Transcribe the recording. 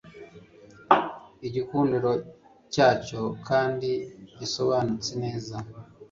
Igikundiro cyacyo kandi gisobanutse neza